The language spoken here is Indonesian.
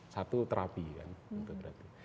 satu terapi kan